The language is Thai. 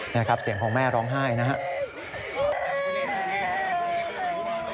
นี่ครับเสียงของแม่ร้องไห้นะครับ